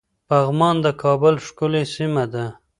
پغمان د کابل ښکلی سيمه ده